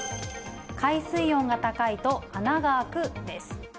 海水温が高いと穴が開く？です。